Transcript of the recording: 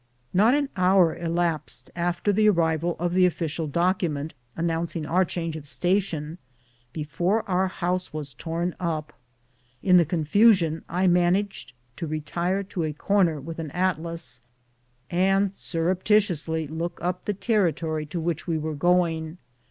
Not an hoar elapsed after the official document an nouncing our change of station had arrived before our liouse was torn up. In the confusion I managed to re tire to a corner with an atlas, and surreptitiously look up the territory to which we were going.